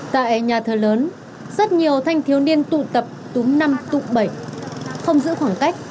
tại nhà thờ lớn rất nhiều thanh thiếu niên tụ tập túm năm tụ bảy không giữ khoảng cách